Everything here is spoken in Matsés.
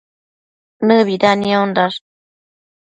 Nëbida niondash